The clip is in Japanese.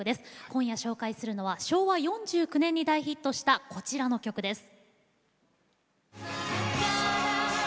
今夜、紹介するのは昭和４９年に大ヒットしたこちらの曲です。